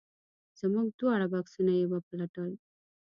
زموږ دواړه بکسونه یې وپلټل.